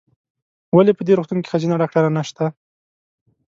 ولې په دي روغتون کې ښځېنه ډاکټره نشته ؟